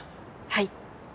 はい。